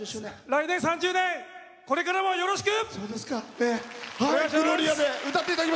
来年３０年これからもよろしく！